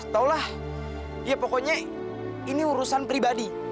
tahulah ya pokoknya ini urusan pribadi